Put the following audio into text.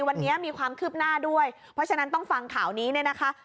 วันนี้มีความคืบหน้าด้วยเพราะฉะนั้นต้องฟังข่าวนี้เนี่ยนะคะ